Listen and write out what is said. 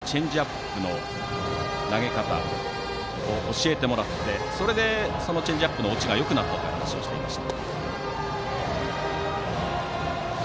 投手吉永さんにチェンジアップの投げ方を教えてもらって、それでチェンジアップの落ちがよくなったと言っていました。